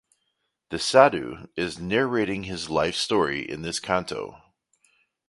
The sadhu is narrating his life story in this canto.